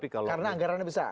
karena anggarannya besar